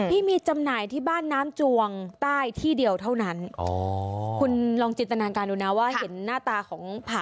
พี่มีจำหน่ายที่บ้านน้ำจวงใต้ที่เดียวเท่านั้น